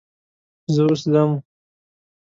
زه اوس ځم.